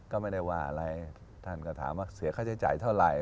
ก็ไม่ได้ว่าอะไรท่านก็ถามว่าเสียค่าใช้จ่ายเท่าไหร่